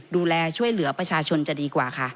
ดูแลช่วยเหลือประชาชนจะดีกว่าค่ะ